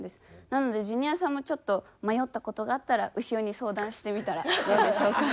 なのでジュニアさんもちょっと迷った事があったら潮に相談してみたらどうでしょうか。